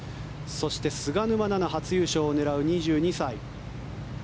そして菅沼菜々初優勝を狙う２２歳。